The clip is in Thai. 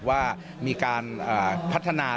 ว่ามีการผัดถนับสมุทร